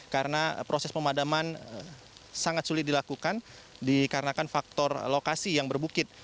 karena proses pemadaman sangat sulit dilakukan dikarenakan faktor lokasi yang berbukit